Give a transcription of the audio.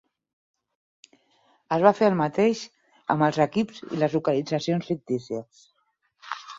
Es va fer el mateix amb els equips i les localitzacions fictícies.